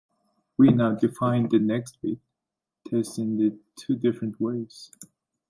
We now define the next-bit test in two different ways.